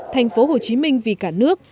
thành phố hồ chí minh vì cả nước